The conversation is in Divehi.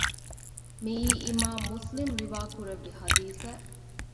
މިއީ އިމާމު މުސްލިމު ރިވާކުރެއްވި ޙަދީޘެއް